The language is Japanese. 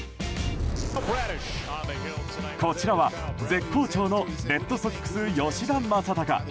こちらは絶好調のレッドソックス、吉田正尚。